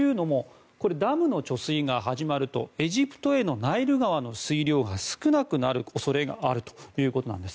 ダムの貯水が始まるとエジプトへのナイル川の水量が少なくなる恐れがあるということなんです。